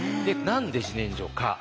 何で自然薯か。